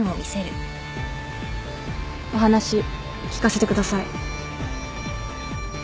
お話聞かせてください。